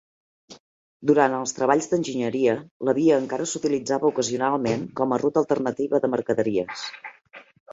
Durant els treballs d'enginyeria, la via encara s'utilitzava ocasionalment com a ruta alternativa de mercaderies.